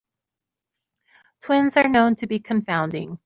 Twins are known to be confounding.